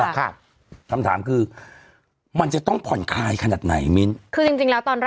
ครับคำถามคือมันจะต้องผ่อนคลายขนาดไหนมิ้นคือจริงจริงแล้วตอนแรก